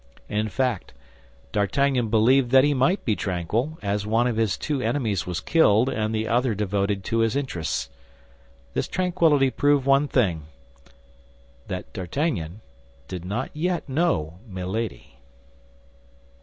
In fact, D'Artagnan believed that he might be tranquil, as one of his two enemies was killed and the other devoted to his interests. This tranquillity proved one thing—that D'Artagnan did not yet know Milady.